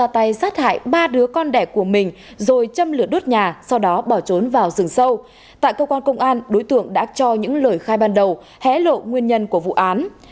tại cơ quan công an đối tượng đã cho những lời khai ban đầu hé lộ nguyên nhân của vụ án